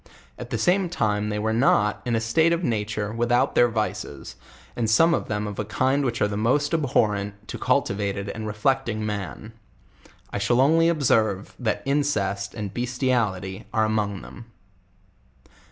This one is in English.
At the same time they were not, in a state of nature, without their vices, and some of n of a kind which are the most abhorrent to cultivated ana reflecting man. I shall only observe, that incest and bestiality are among them.